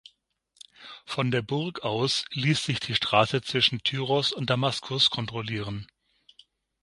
Von der Burg aus ließ sich die Straße zwischen Tyros und Damaskus kontrollieren.